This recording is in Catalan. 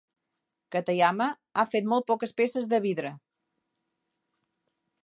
Katayama ha fet molt poques peces de vidre.